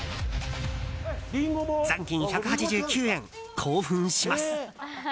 残金１８９円、興奮します。